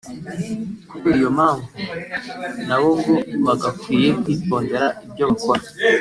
Kubera iyo mpamvu nabo ngo bagakwiye kwitondera ibyo bakora